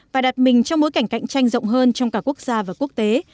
và đặt mình trong bối cảnh cạnh tranh rộng hơn trong cả quốc gia và quốc tế